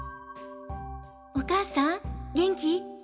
お母さん元気？